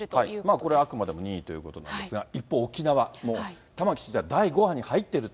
これ、あくまでも任意ということなんですが、一方、沖縄、もう玉城知事は第５波に入っていると。